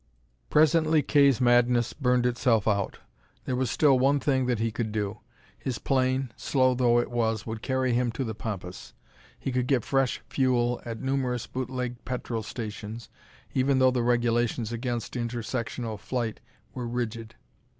Presently Kay's madness burned itself out. There was still one thing that he could do. His plane, slow though it was, would carry him to the pampas. He could get fresh fuel at numerous bootleg petrol stations, even though the regulations against intersectional flight were rigid.